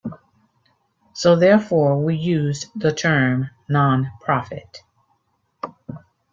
So, therefore we used the term non-profit.